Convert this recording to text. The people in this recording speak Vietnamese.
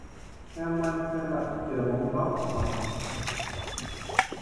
Heo may xe lạnh chờ mong gót hồng.